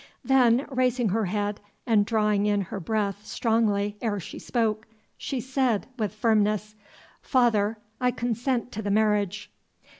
Then raising her head, and drawing in her breath strongly ere she spoke, she said, with firmness, "Father, I consent to the marriage."